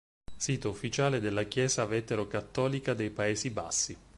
Sito ufficiale della Chiesa vetero-cattolica dei Paesi Bassi